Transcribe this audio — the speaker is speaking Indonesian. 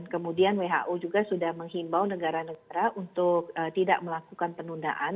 kemudian who juga sudah menghimbau negara negara untuk tidak melakukan penundaan